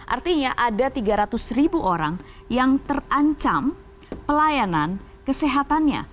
artinya ada tiga ratus ribu orang yang terancam pelayanan kesehatannya